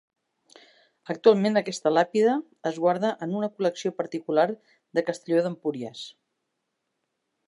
Actualment aquesta làpida es guarda en una col·lecció particular de Castelló d'Empúries.